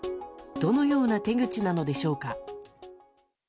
どのような手口なのでしょうか。